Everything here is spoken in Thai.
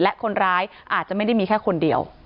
และคนร้ายอาจจะไม่ได้มีแค่คนเดียว